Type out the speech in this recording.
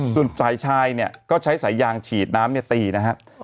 ส่วนฝ่ายชายเนี่ยก็ใช้สายยางฉีดน้ำเนี่ยตีนะครับ